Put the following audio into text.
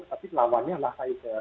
tapi lawannya adalah pfizer